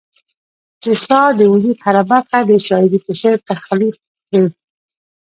چي ستا د وجود هره برخه د شاعري په څير تخليق کړي